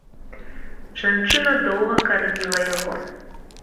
Жанчына доўга карміла яго.